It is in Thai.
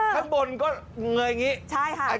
ข้างบนก็เงยอย่างนี้